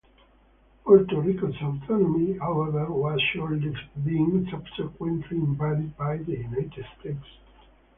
Puerto Rico's autonomy, however was short-lived, being subsequently invaded by the United States.